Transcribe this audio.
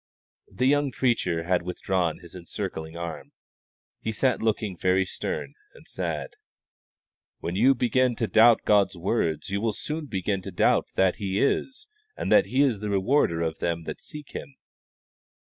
The young preacher had withdrawn his encircling arm. He sat looking very stern and sad. "When you begin to doubt God's word, you will soon doubt that He is, and that He is the rewarder of them that seek Him."